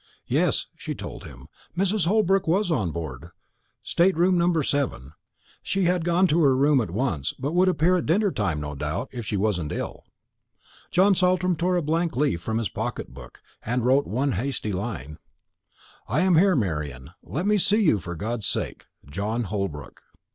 "Yes," she told him, "Mrs. Holbrook was on board state room number 7. She had gone to her room at once, but would appear at dinner time, no doubt, if she wasn't ill." John Saltram tore a blank leaf from his pocket book, and wrote one hasty line: "I am here, Marian; let me see you for God's sake. "JOHN HOLBROOK."